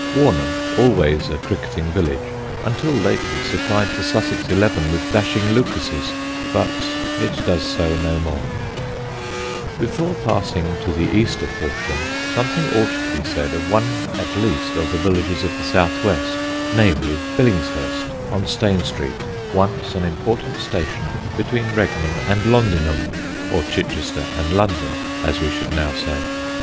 Warnham, always a cricketing village, until lately supplied the Sussex eleven with dashing Lucases; but it does so no more. [Sidenote: STANE STREET] Before passing to the east of Horsham, something ought to be said of one at least of the villages of the south west, namely, Billingshurst, on Stane Street, once an important station between Regnum and Londinum, or Chichester and London, as we should now say.